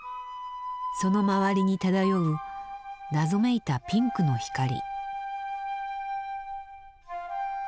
その周りに漂う謎めいたピンクの光。